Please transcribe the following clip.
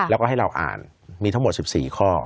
แล้วก็ให้เราอ่านมีทั้งหมด๑๔ข้อ